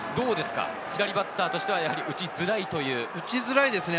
左バッターとしては打ちづらいですか？